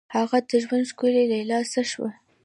هغه د ژوند ښکلي لیلا څه شوه؟